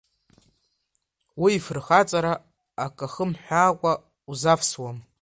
Уи ифырхаҵара ак ахымҳәаакәа узавсуам.